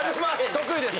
得意です